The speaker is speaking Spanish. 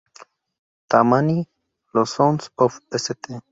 Tammany, los Sons of St.